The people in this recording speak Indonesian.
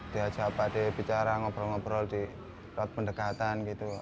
diajak pak d bicara ngobrol ngobrol di laut pendekatan gitu